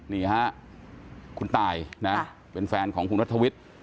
นี่ฮะคุณตายนะเป็นแฟนของคุณนัทวิทย์